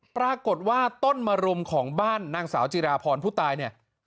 ปรากฏว่าต้นมรุมของบ้านนางสาวจิราพรผู้ตายเนี่ย